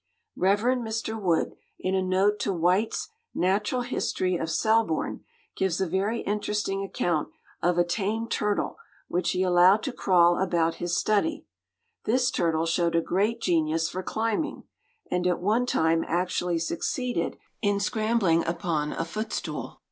Rev. Mr. Wood, in a note to White's Natural History of Selborne, gives a very interesting account of a tame turtle which he allowed to crawl about his study. This turtle showed a great genius for climbing, and at one time actually succeeded in scrambling upon a footstool.